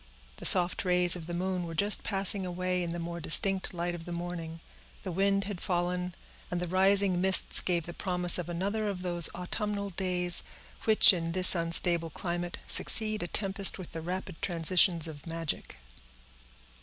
The soft rays of the moon were just passing away in the more distinct light of the morning; the wind had fallen, and the rising mists gave the promise of another of those autumnal days, which, in this unstable climate, succeed a tempest with the rapid transitions of magic.